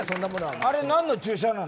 あれは何の注射なの？